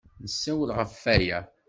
Nessawel ɣef waya.